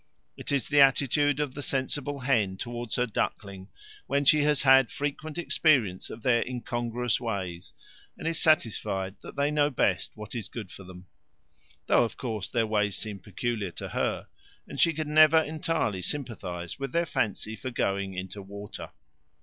It is the attitude of the sensible hen towards her ducklings, when she has had frequent experience of their incongruous ways, and is satisfied that they know best what is good for them; though, of course, their ways seem peculiar to her, and she can never entirely sympathize with their fancy for going into water.